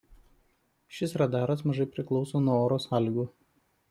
Šis radaras mažai priklauso nuo oro sąlygų.